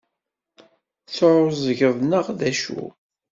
Teɛɛuẓgeḍ neɣ d acu?